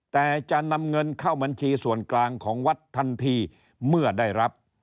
แต่จะนำเงินเข้าบัญชีส่วนกลางของวัดทันทีเมื่อได้รับ